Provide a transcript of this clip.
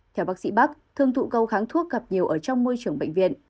theo bác sĩ bắc thường tụ cầu kháng thuốc gặp nhiều ở trong môi trường bệnh viện